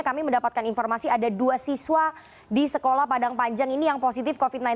kami mendapatkan informasi ada dua siswa di sekolah padang panjang ini yang positif covid sembilan belas